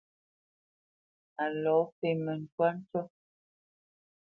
A lɔ fémə ntwá ncú.